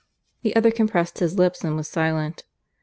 The other compressed his lips and was silent.